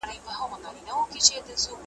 لېونو ته لېونی پاچا ښکارېږي `